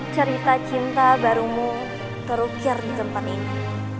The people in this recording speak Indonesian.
cerita cinta barumu terukir di tempat ini